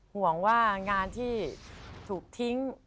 ห่วงว่างานที่ถูกทิ้ง